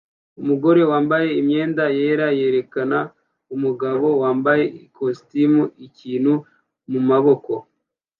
Umugore wambaye imyenda yera yerekana umugabo wambaye ikositimu ikintu mumaboko